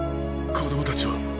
子供たちは？